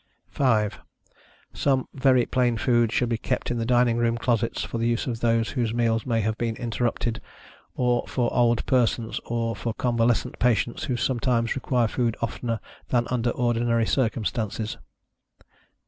5. Some very plain food should be kept in the dining room closets, for the use of those whose meals may have been interrupted, or for old persons, or for convalescent patients, who sometimes require food oftener than under ordinary circumstances.